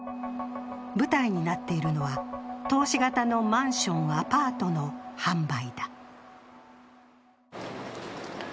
舞台になっているのは投資型のマンション・アパートの販売だ。